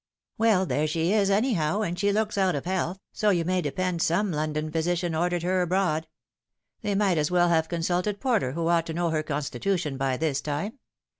" Well, there she is, anyhow, and she looks out of health, so you may depend some London physician ordered her abroad. They might as well have consulted Porter, who ought to know her constitution by this time.